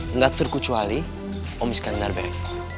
enggak terkecuali om iskandar bek